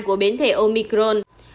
của bến thể omicron